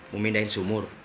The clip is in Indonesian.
mau mindahin sumur